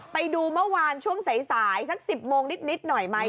ไปดูเมื่อวานช่วงสายสัก๑๐โมงนิดหน่อยไหม